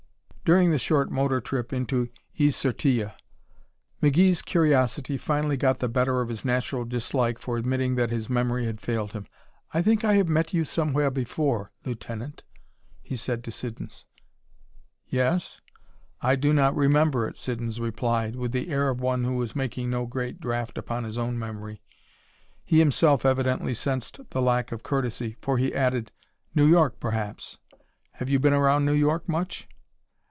During the short motor trip into Is Sur Tille, McGee's curiosity finally got the better of his natural dislike for admitting that his memory had failed him. "I think I have met you somewhere before, Lieutenant," he said to Siddons. "Yes? I do not remember it," Siddons replied, with the air of one who is making no great draft upon his own memory. He himself evidently sensed the lack of courtesy, for he added, "New York, perhaps. Have you been around New York much?"